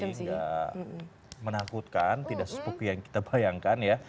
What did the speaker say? gak menakutkan tidak spuk yang kita bayangkan ya